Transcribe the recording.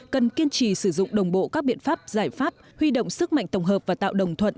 cần kiên trì sử dụng đồng bộ các biện pháp giải pháp huy động sức mạnh tổng hợp và tạo đồng thuận